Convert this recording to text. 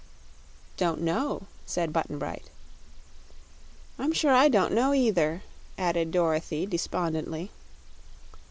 "Don't know," said Button Bright. "I'm sure I don't know, either," added Dorothy, despondently.